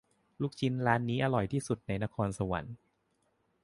ลูกชิ้นร้านนี้อร่อยที่สุดในนครสวรรค์